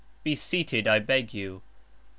Be seated, I beg (you).